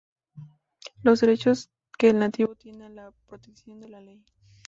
los derechos que el nativo tiene a la protección de la ley